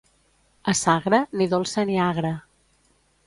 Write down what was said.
A Sagra, ni dolça ni agra.